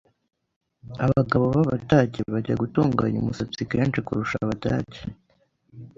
Abagabo b'Abadage bajya gutunganya umusatsi kenshi kurusha Abadage. (caspian)